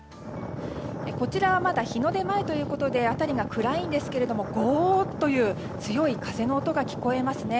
こちらはまだ日の出前ということで辺りが暗いんですがゴーという強い風の音が聞こえますね。